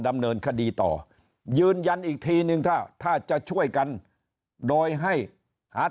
ดำเนินคดีต่อยืนยันอีกทีนึงถ้าถ้าจะช่วยกันโดยให้หา